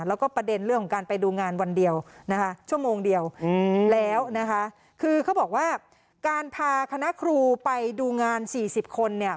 แล้วก็ประเด็นเรื่องของการไปดูงานวันเดียวนะคะชั่วโมงเดียวแล้วนะคะคือเขาบอกว่าการพาคณะครูไปดูงาน๔๐คนเนี่ย